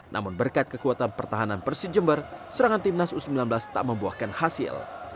namun berkat kekuatan pertahanan persit jember serangan tim nasional u sembilan belas tak membuahkan hasil